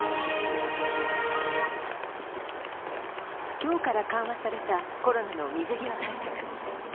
今日から緩和されたコロナの水際対策。